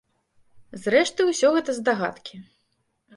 Зрэшты, гэта ўсё здагадкі.